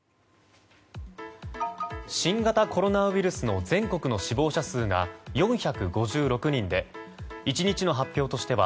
新型コロナウイルスの全国の死亡者数が４５６人で１日の発表としては